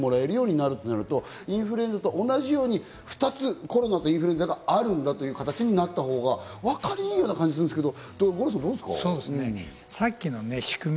みんなが診てもらえるようになるとなると、インフルエンザと同じように、コロナとインフルエンザがあるんだという形になったほうがわかり良いような感じがするんですけど、五郎さん。